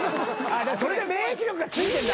それで免疫力がついてるんだ。